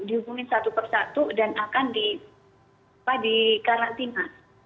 dihubungin satu persatu dan akan dikarantina